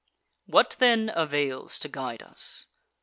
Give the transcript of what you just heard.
What then avails to guide us?